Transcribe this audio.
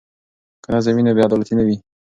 که نظم وي نو بې عدالتي نه وي.